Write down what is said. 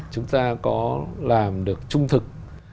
chúng ta có làm được trung thực